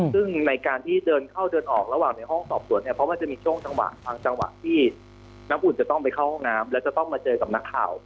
ซึ่งในการที่เดินเข้าเดินออกระหว่างในห้องสอบสวนเนี่ยเพราะมันจะมีช่วงจังหวะบางจังหวะที่น้ำอุ่นจะต้องไปเข้าห้องน้ำแล้วจะต้องมาเจอกับนักข่าว